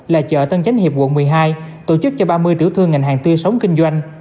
là chợ tân chánh hiệp quận một mươi hai tổ chức cho ba mươi tiểu thương ngành hàng tươi sống kinh doanh